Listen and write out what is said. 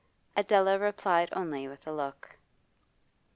Adela replied only with a look.